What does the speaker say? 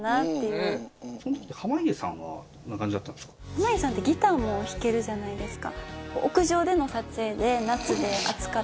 濱家さんってギターも弾けるじゃないですか。